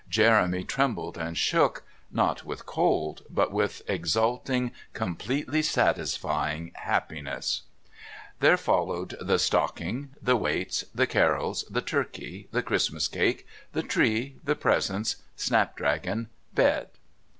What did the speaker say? Jeremy trembled and shook, not with cold, but with exalting, completely satisfying happiness. There followed the Stocking, the Waits, the Carols, the Turkey, the Christmas Cake, the Tree, the Presents, Snapdragon, Bed...